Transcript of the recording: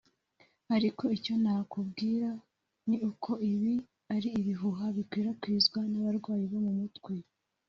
Ariko icyo nakubwira ni uko ibi ari ibihuha bikwirakwizwa n’abarwayi bo mu mutwe